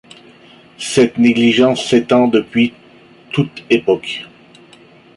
Cette négligence s'étend depuis toute époque.